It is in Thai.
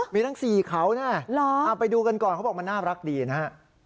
มีทั้ง๔เขานะไปดูกันก่อนเขาบอกมันน่ารักดีนะฮะ